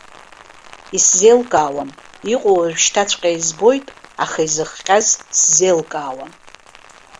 Исзеилкаауам, иҟоу уажәшьҭаҵәҟьа избоит, аха изыхҟьаз сзеилкаауам?!